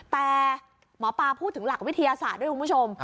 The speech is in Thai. แต่หมอปลาพูดถึงหลักวิทยาศาสตร์ด้วยคุณผู้ชม